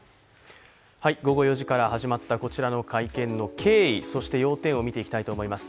午後４時から始まったこちらの会見の経緯、そして要点を見ていきたいと思います。